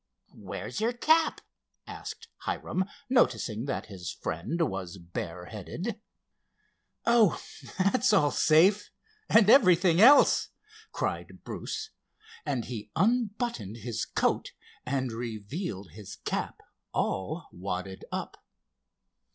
"Where's your cap?" asked Hiram, noticing that his friend was bareheaded. "Oh, that's all safe,—and everything else!" cried Bruce, and he unbuttoned his coat and revealed his cap all wadded up.